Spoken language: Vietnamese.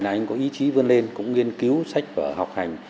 anh có ý chí vươn lên cũng nghiên cứu sách và học hành